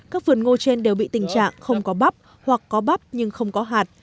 các vườn ngô trên đều bị tình trạng không có bắp hoặc có bắp nhưng không có hạt